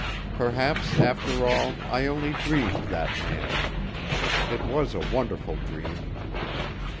Perhaps after all I only dreamed that man. It was a wonderful dream."